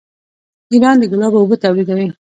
ایران د ګلابو اوبه تولیدوي.